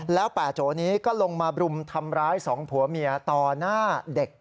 แล้วป่าโจนี้ก็ลงมาบรุมทำร้ายสองผัวเมียต่อหน้าเด็ก